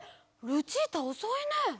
ルチータおそいね。